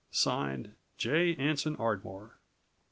"(Signed) J. Anson Ardmore."